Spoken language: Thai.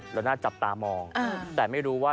แล้วน่าจับตามองแต่ไม่รู้ว่า